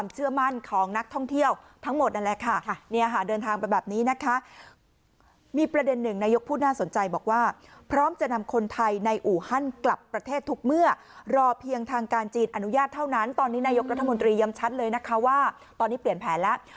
ตอนนี้นายกรัฐมนตรีย้ำชัดเลยนะคะว่าตอนนี้เปลี่ยนแผนแล้ว